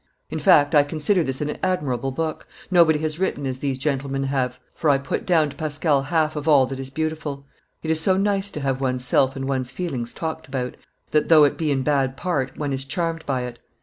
In fact, I consider this an admirable book; nobody has written as these gentlemen have, for I put down to Pascal half of all that is beautiful. It is so nice to have one's self and one's feelings talked about, that, though it be in bad part, one is charmed by it.